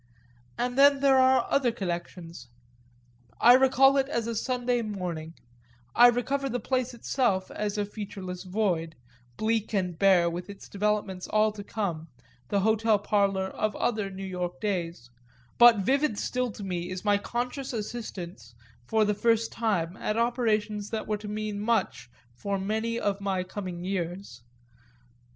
And then there are other connections; I recall it as a Sunday morning, I recover the place itself as a featureless void bleak and bare, with its developments all to come, the hotel parlour of other New York days but vivid still to me is my conscious assistance for the first time at operations that were to mean much for many of my coming years.